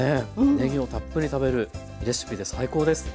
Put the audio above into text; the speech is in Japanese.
ねぎもたっぷり食べれるレシピで最高です。